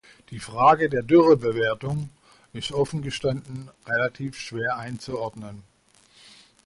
Die Frage der Dürrebewertung ist offen gestanden relativ schwer einzuordnen.